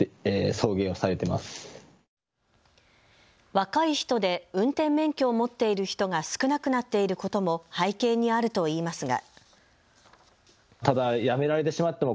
若い人で運転免許を持っている人が少なくなっていることも背景にあるといいますが。